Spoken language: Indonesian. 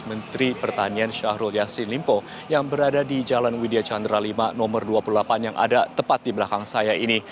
menteri pertanian syahrul yassin limpo yang berada di jalan widya chandra v nomor dua puluh delapan yang ada tepat di belakang saya ini